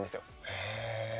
へえ。